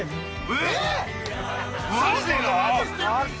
えっ！